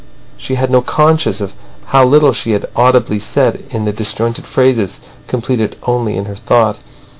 She had no conscience of how little she had audibly said in the disjointed phrases completed only in her thought.